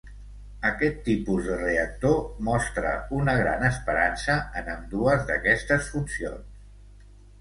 Aquest tipus de reactor mostra una gran esperança en ambdues d'aquestes funcions.